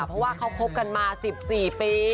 เพราะว่าเขาคบกันมา๑๔ปี